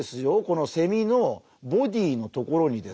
このセミのボディーのところにですね